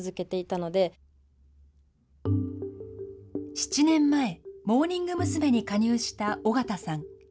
７年前、モーニング娘。に加入した尾形さん。